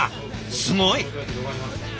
すごい。